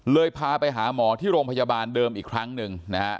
พาไปหาหมอที่โรงพยาบาลเดิมอีกครั้งหนึ่งนะฮะ